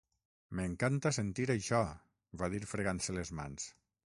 "M'encanta sentir això", va dir fregant-se les mans.